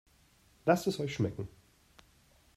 Lasst es euch schmecken!